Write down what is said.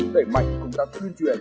đẩy mạnh công tác truyền truyền